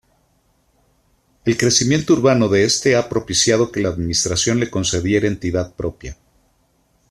El crecimiento urbano de este ha propiciado que la administración le concediera entidad propia.